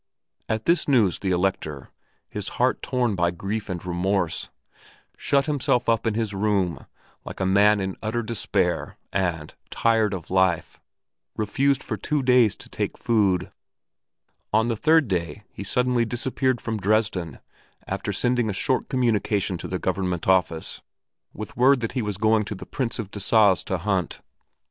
At this news the Elector, his heart torn by grief and remorse, shut himself up in his room like a man in utter despair and, tired of life, refused for two days to take food; on the third day he suddenly disappeared from Dresden after sending a short communication to the Government Office with word that he was going to the Prince of Dessau's to hunt.